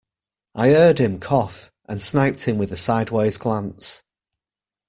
I heard him cough, and sniped him with a sideways glance.